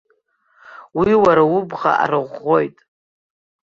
Уи уара убӷа арыӷәӷәоит.